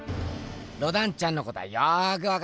ロダンちゃんのことはよくわかった。